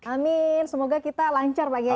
amin semoga kita lancar pagi ya